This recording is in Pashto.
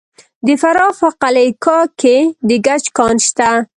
د فراه په قلعه کاه کې د ګچ کان شته.